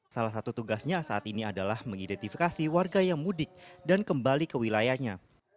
salah satu tugasnya saat ini adalah mengidentifikasi warga yang mudik dan kembali ke wilayahnya